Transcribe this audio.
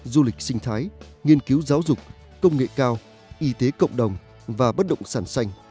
du lịch sinh thái nghiên cứu giáo dục công nghệ cao y tế cộng đồng và bất động sản xanh